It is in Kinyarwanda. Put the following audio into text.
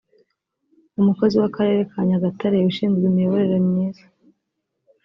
Umukozi w’Akarere ka Nyagatare ushinzwe Imiyoborere Myiza